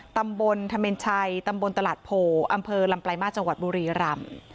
ตำบลธเมนชัยตำบลตลาดโพอำเภอลำปลายมาสจังหวัดบุรีรำ